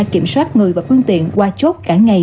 kiểm soát chặt các phương tiện vào địa bàn